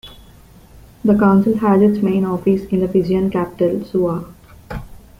The Council has its main office in the Fijian capital, Suva.